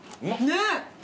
ねっ！